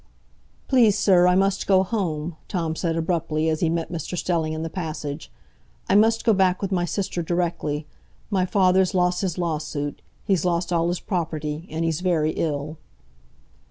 "Please, sir, I must go home," Tom said abruptly, as he met Mr Stelling in the passage. "I must go back with my sister directly. My father's lost his lawsuit—he's lost all his property—and he's very ill."